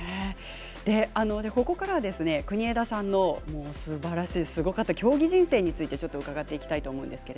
ここからは国枝さんのすばらしい、すごかった競技人生について伺っていこうと思います。